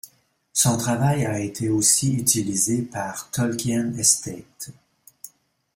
Son travail a été aussi utilisé par Tolkien Estate.